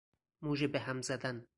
مژه بهم زدن